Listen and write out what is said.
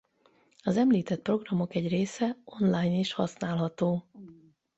Az említett programok egy része online is használható.